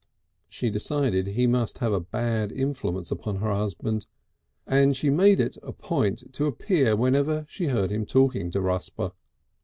She decided he must have a bad influence upon her husband, and she made it a point to appear whenever she heard him talking to Rusper.